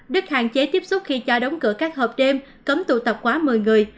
đức hạn chế tiếp xúc khi cho đóng cửa các hợp đêm cấm tụ tập quá một mươi người